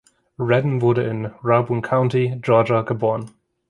Redden wurde in Rabun County, Georgia, geboren.